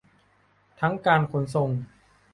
ทั้งการขนส่ง